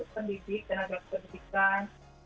pendidik tenaga pendidikan